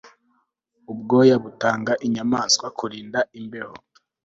Ubwoya butanga inyamaswa kurinda imbeho